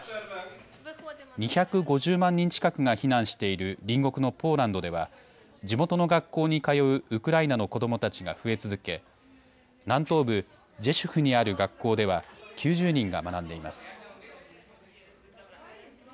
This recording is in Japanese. ２５０万人近くが避難している隣国のポーランドでは地元の学校に通うウクライナの子どもたちが増え続け南東部ジェシュフにある学校では９０人が学んでいます。